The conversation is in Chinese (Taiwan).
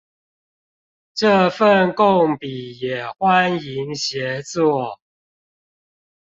這份共筆也歡迎協作